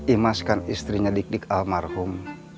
imas kan istrinya dikdik almarhum